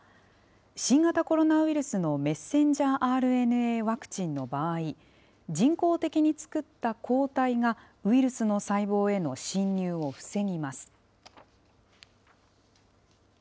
新型コロナウイルスのｍＲＮＡワクチンの場合、人工的に作った抗体が、ウイルスの細胞への侵入を防ぎます。